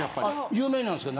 有名なんですか？